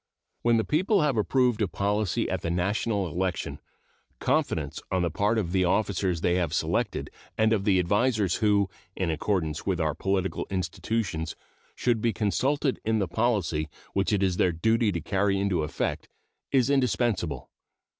When the people have approved a policy at a national election, confidence on the part of the officers they have selected and of the advisers who, in accordance with our political institutions, should be consulted in the policy which it is their duty to carry into effect is indispensable.